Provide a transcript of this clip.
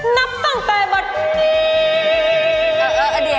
นับตั้งแต่บัตรนี้